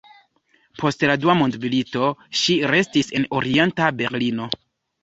Post la Dua mondmilito ŝi restis en Orienta Berlino.